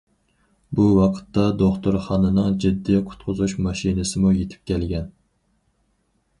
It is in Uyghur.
بۇ ۋاقىتتا، دوختۇرخانىنىڭ جىددىي قۇتقۇزۇش ماشىنىسىمۇ يېتىپ كەلگەن.